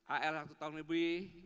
al satu tahun lebih